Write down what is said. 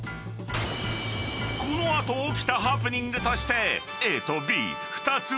［この後起きたハプニングとしてＡとＢ２つを発表］